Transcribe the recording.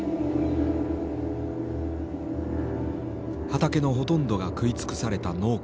畑のほとんどが食い尽くされた農家も出ていた。